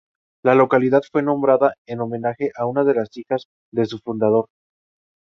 La localidad fue nombrada en homenaje a una de las hijas de su fundador.